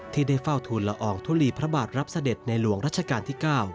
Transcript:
ที่ได้เฝ้าทูลละอองทุลีพระบาทรับเสด็จในหลวงรัชกาลที่๙